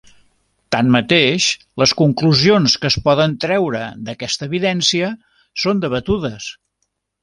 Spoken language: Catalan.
Tanmateix, les conclusions que es poden treure d'aquesta evidència són debatudes.